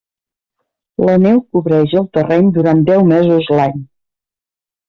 La neu cobreix el terreny durant deu mesos l'any.